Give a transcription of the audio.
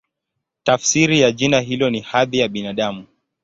Tafsiri ya jina hilo ni "Hadhi ya Binadamu".